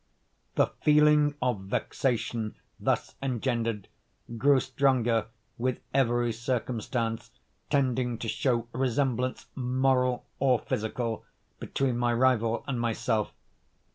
The feeling of vexation thus engendered grew stronger with every circumstance tending to show resemblance, moral or physical, between my rival and myself.